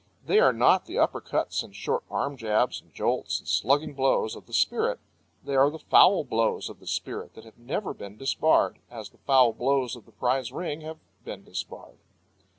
They are not the upper cuts and short arm jabs and jolts and slugging blows of the spirit. They are the foul blows of the spirit that have never been disbarred, as the foul blows of the prize ring have been disbarred.